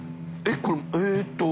これえっと。